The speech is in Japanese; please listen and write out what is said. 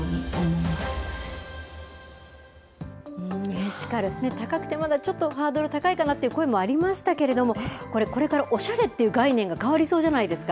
エシカル、高くてまだハードル高いかなという声もありましたけれどもこれからおしゃれという概念が変わりそうじゃないですか。